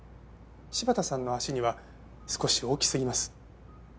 柴田さんの足には少し大きすぎます。